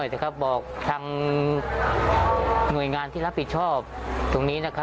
และอีกอย่างนึงไม่ฉีดก็ไม่ได้